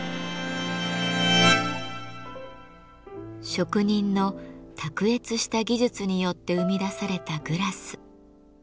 職人の卓越した技術によって生み出されたグラス。